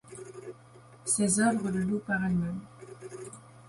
Ses œuvres le louent par elles-mêmes.